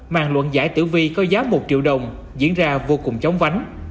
màn luận giải tử vi có giá một triệu đồng diễn ra vô cùng chóng vánh